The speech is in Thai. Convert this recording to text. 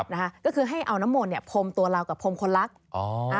นะคะก็คือให้เอาน้ำมนต์พรมตัวเรากับพรมคนลักษณ์